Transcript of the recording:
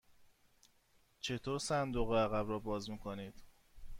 چطور صندوق عقب را باز می کنید؟